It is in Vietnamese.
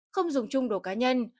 không dùng chung đồ cá nhân